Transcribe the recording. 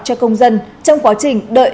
cho công dân trong quá trình đợi